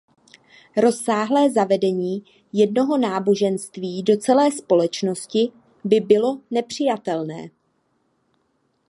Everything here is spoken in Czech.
Rozsáhlé zavedení jednoho náboženství do celé společnosti by bylo nepřijatelné.